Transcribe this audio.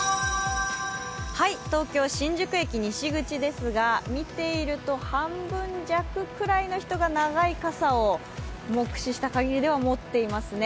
東京・新宿駅西口ですが、見ていると半分弱くらいの人が長い傘を目視した限りでは持っていますね。